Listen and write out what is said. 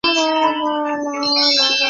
牧民们将他们统称为上海孤儿。